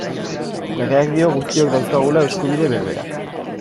Legeak dio guztiok dauzkagula eskubide berberak.